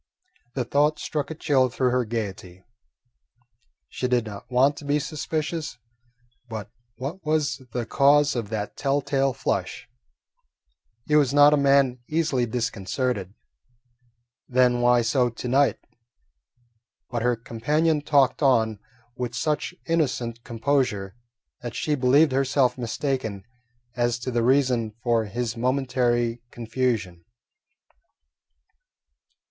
The thought struck a chill through her gaiety. She did not want to be suspicious, but what was the cause of that tell tale flush? He was not a man easily disconcerted; then why so to night? But her companion talked on with such innocent composure that she believed herself mistaken as to the reason for his momentary confusion.